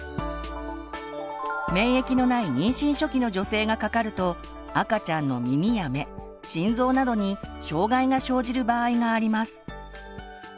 免疫のない妊娠初期の女性がかかると赤ちゃんの耳や目心臓などに障害が生じる場合があります。